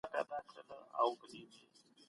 څنګه کډوال پر نورو هیوادونو اغیز کوي؟